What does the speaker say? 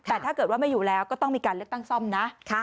แต่ถ้าเกิดว่าไม่อยู่แล้วก็ต้องมีการเลือกตั้งซ่อมนะ